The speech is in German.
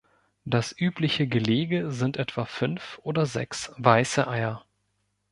Das übliche Gelege sind etwa fünf oder sechs weiße Eier.